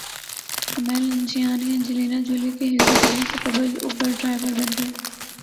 Kumail Nanjiani Angelina Jolie کے hero بننے سے قبل اوبر ڈرائیور بن گئے